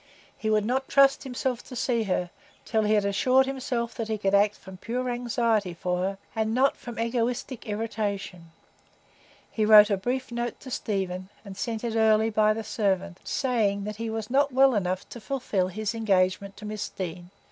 He would not trust himself to see her, till he had assured himself that he could act from pure anxiety for her, and not from egoistic irritation. He wrote a brief note to Stephen, and sent it early by the servant, saying that he was not well enough to fulfil his engagement to Miss Deane.